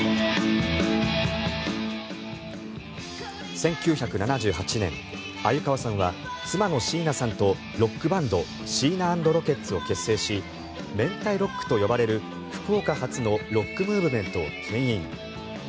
１９７８年鮎川さんは妻のシーナさんとロックバンドシーナ＆ザ・ロケッツを結成しめんたいロックと呼ばれる福岡発のロックムーブメントをけん引。